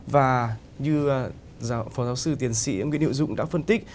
và như phó giáo sư tiến sĩ nguyễn hiệu dũng đã phân tích